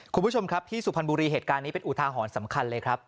คุณผู้ชมครับที่สุพรรณบุรีเหตุการณ์นี้เป็นอุทาหรณ์สำคัญเลยครับ